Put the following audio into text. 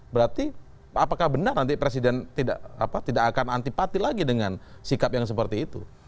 berarti apakah benar nanti presiden tidak akan antipati lagi dengan sikap yang seperti itu